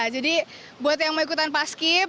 jadi buat yang mau ikutan paskip